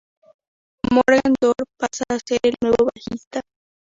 Morgan Dorr pasa a ser el nuevo bajista.